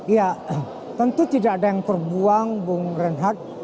ya tentu tidak ada yang terbuang bung reinhardt